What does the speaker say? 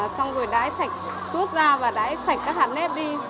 xong rồi đáy sạch tuốt ra và đáy sạch các hạt nét đi